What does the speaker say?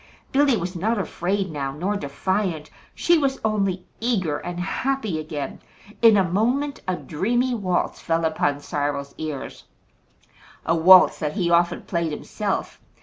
Billy was not afraid now, nor defiant. She was only eager and happy again. In a moment a dreamy waltz fell upon Cyril's ears a waltz that he often played himself.